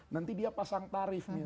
nanti dia pasang tarif